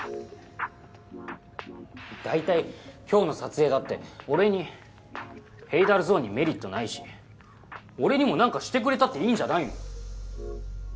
大体今日の撮影だって俺にＨＡＤＡＬＺＯＮＥにメリットないし俺にも何かしてくれたっていいんじゃないの？